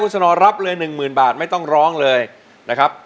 สนอรับเลย๑๐๐๐บาทไม่ต้องร้องเลยนะครับ